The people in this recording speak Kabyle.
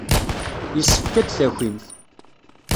Yessefk ad d-takimt.